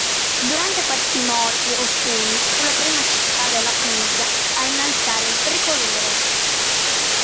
Durante questi moti Ostuni fu la prima città della Puglia a innalzare il tricolore.